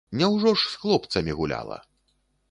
Няўжо ж з хлопцамі гуляла!